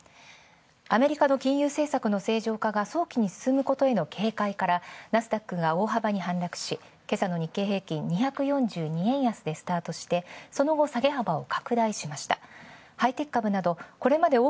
アメリカの金融政策の早期に進むことへの警戒からナスダックが大幅に反落し今朝の日経平均、２４２円安でスタートしてその後、下げ幅を拡大しました。